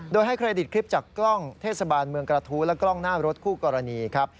โดยให้เครดิตคลิปจากกล้องเทศบาลเมืองกระทู้และกล้องหน้ารถคู่กรณีครับ